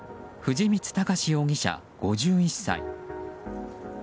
藤光孝志容疑者、５１歳。